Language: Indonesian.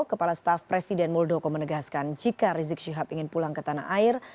kepala staf presiden muldoko menegaskan jika rizik syihab ingin pulang ke tanah air